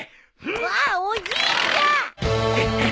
あっおじいちゃん！